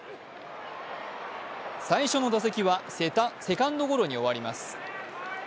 最初の打席はセカンドゴロに終わります。